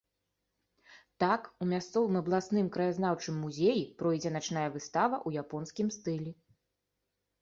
Так, у мясцовым абласным краязнаўчым музеі пройдзе начная выстава ў японскім стылі.